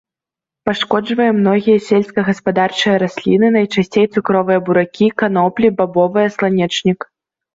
Пашкоджвае многія сельскагаспадарчыя расліны, найчасцей цукровыя буракі, каноплі, бабовыя, сланечнік.